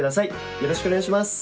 よろしくお願いします。